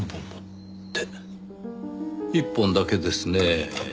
１本だけですねぇ。